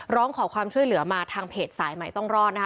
ร้องขอความช่วยเหลือมาทางเพจสายใหม่ต้องรอดนะคะ